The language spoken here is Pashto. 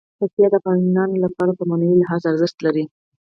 پکتیکا د افغانانو لپاره په معنوي لحاظ ارزښت لري.